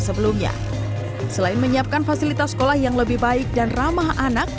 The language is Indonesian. selain menyiapkan fasilitas sekolah yang lebih baik dan ramah anak